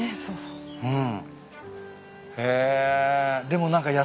うん。